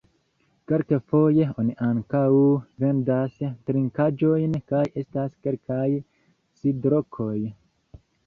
Kelkfoje oni ankaŭ vendas trinkaĵojn kaj estas kelkaj sidlokoj.